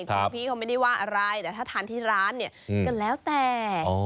คุณพี่เขาไม่ได้ว่าอะไรแต่ถ้าทานที่ร้านเนี่ยก็แล้วแต่